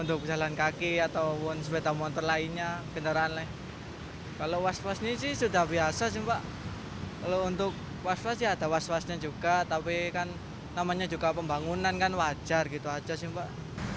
untuk was was ya ada was wasnya juga tapi kan namanya juga pembangunan kan wajar gitu aja sih mbak